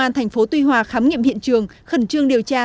công an tp tuy hòa khám nghiệm hiện trường khẩn trương điều tra